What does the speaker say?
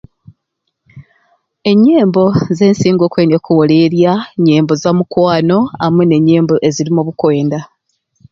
Enyembo zensinga okwendya okuwuliirya nyembo za mukwano amwei ne nyembo ezirimu obukwenda